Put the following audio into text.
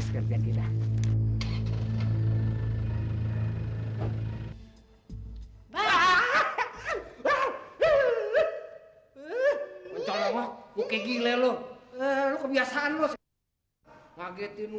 saat itu tidak udh diri